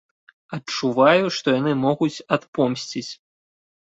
Адчуваю, што яны могуць адпомсціць.